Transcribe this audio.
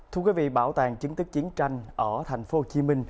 thưa quý vị bảo tàng chứng tích chiến tranh ở tp hcm